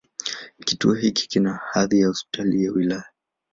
Kituo hiki kina hadhi ya Hospitali ya wilaya.